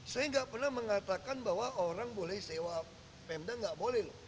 saya nggak pernah mengatakan bahwa orang boleh sewa pemda nggak boleh loh